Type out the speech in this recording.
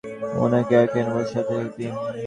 উনাকে এখানে বসতে দিন।